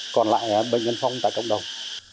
còn lại bệnh nhân phong tại cộng đồng